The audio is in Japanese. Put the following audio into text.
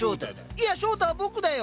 いや翔太は僕だよ！